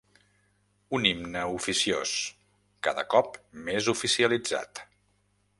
Un himne oficiós, cada cop més oficialitzat.